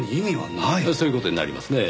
そういう事になりますねぇ。